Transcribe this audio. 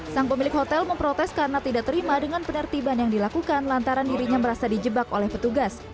sang pemilik hotel memprotes karena tidak terima dengan penertiban yang dilakukan lantaran dirinya merasa dijebak oleh petugas